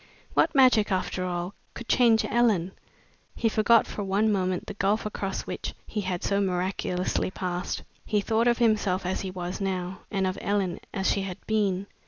What magic, after all, could change Ellen! He forgot for one moment the gulf across which he had so miraculously passed. He thought of himself as he was now, and of Ellen as she had been.